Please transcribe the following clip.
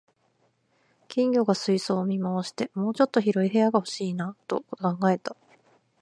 金魚が水槽を見回して、「もうちょっと広い部屋が欲しいな」と考えた